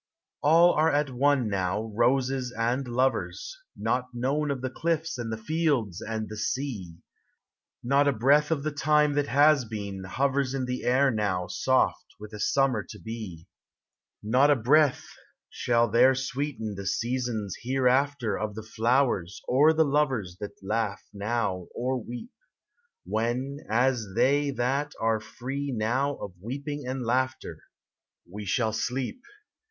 All arc ;it one now, roses and lovers, Not known of the cliffs and the fields and the sea. Not a breath of the lime that has been hovers In the air now soft with a summer to be. Not a breath shall there sweeten the seasons here affc * Of the flowers or the lovers that laugh now or weep, When, as they that are free now of weeping and laughter, We shall sleep.